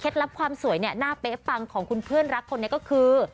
ลับความสวยเนี่ยหน้าเป๊ะปังของคุณเพื่อนรักคนนี้ก็คือ